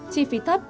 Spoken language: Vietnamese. chi phí thấp